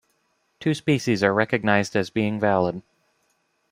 Two species are recognized as being valid.